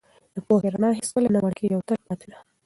د پوهې رڼا هېڅکله نه مړکېږي او تل پاتې ده.